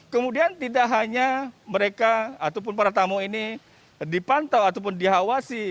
kemudian tidak hanya mereka ataupun para tamu ini dipantau ataupun diawasi